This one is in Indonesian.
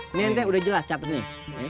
ini ente udah jelas catatnya ya